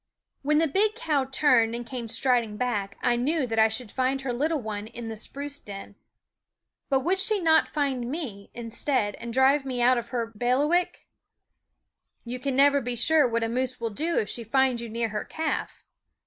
When the big cow turned and came strid ing back I knew that I should find her little one in the spruce den. But would she not find me, instead, and drive me out of her bailiwick ? You can never be sure what a moose will do if she finds you near her calf.